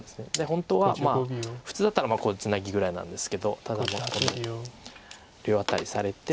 本当は普通だったらここでツナギぐらいなんですけどただここに両アタリされて。